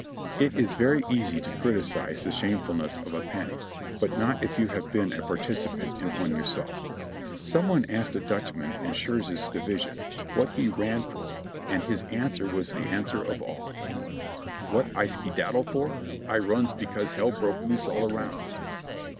It is very easy to criticise the shamefulness of a panic, but not if you have been a participant in one yourself. Some one asked a Dutchman of Schurz's division what he ran for, and his answer was the answer of all : "What I skedaddle for ? I runs because hell broke loose all around."